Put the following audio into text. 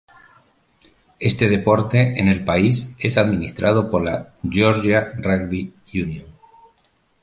Este deporte en el país es administrado por la Georgia Rugby Union.